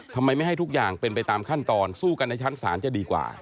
ทำไมไม่ให้ทุกอย่างเป็นไปตามขั้นตอนสู้กันในชั้นศาลจะดีกว่า